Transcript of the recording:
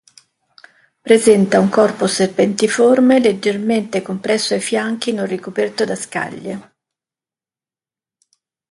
Presenta un corpo serpentiforme, leggermente compresso ai fianchi, non ricoperto da scaglie.